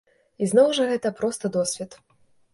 І зноў жа гэта проста досвед.